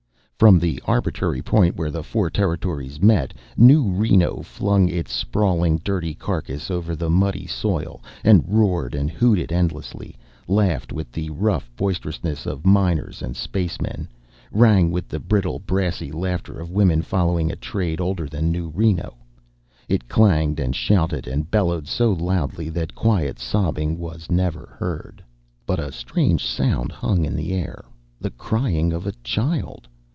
From the arbitrary point where the four territories met, New Reno flung its sprawling, dirty carcass over the muddy soil and roared and hooted endlessly, laughed with the rough boisterousness of miners and spacemen, rang with the brittle, brassy laughter of women following a trade older than New Reno. It clanged and shouted and bellowed so loudly that quiet sobbing was never heard. But a strange sound hung in the air, the crying of a child.